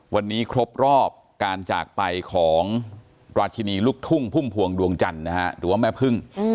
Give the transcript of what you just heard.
วันนี้ครบรอบการจากไปของราชินีลูกทุ่งพุ่มพวงดวงจันทร์หรือว่าแม่พึ่ง